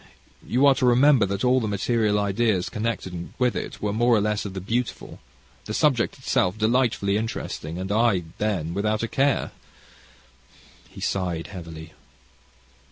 You are to remember that all the material ideas connected with it were more or less of the beautiful, the subject itself delightfully interesting, and I, then, without a care." He sighed heavily.